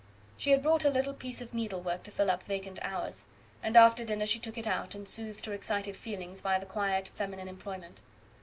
She had brought a little piece of needlework to fill up vacant hours, and after dinner she took it out, and soothed her excited feelings by the quiet feminine employment.